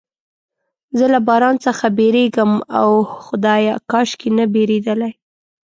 زه له باران څخه بیریږم، اوه خدایه، کاشکې نه بیریدلای.